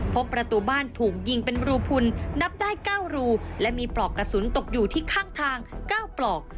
พบประตูบ้านถูกยิงเป็นรูพุนนับได้๙รูและมีปลอกกระสุนตกอยู่ที่ข้างทาง๙ปลอก